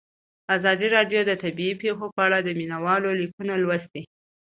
ازادي راډیو د طبیعي پېښې په اړه د مینه والو لیکونه لوستي.